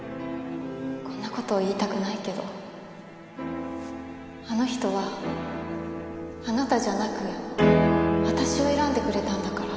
こんな事言いたくないけどあの人はあなたじゃなく私を選んでくれたんだから。